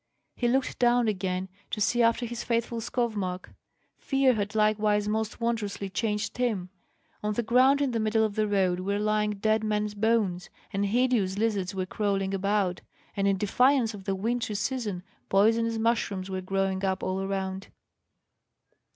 He looked down again, to see after his faithful Skovmark. Fear had likewise most wondrously changed him. On the ground in the middle of the road were lying dead men's bones, and hideous lizards were crawling about; and, in defiance of the wintry season, poisonous mushrooms were growing up all around.